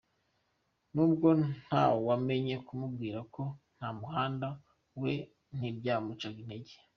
Nubwo ntahwemenye kumubwira ko ntamukunda , we ntibyamucaga intege .